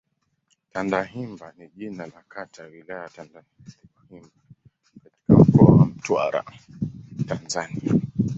Tandahimba ni jina la kata ya Wilaya ya Tandahimba katika Mkoa wa Mtwara, Tanzania.